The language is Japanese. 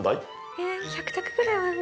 え１００着くらいはある。